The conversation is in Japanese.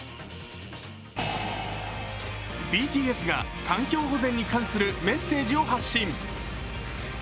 ＢＴＳが環境保全に関するメッセージを発信。